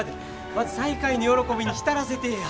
まず再会の喜びに浸らせてえや。